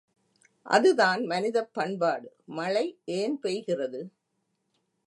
அதுதான் மனிதப் பண்பாடு மழை ஏன் பெய்கிறது?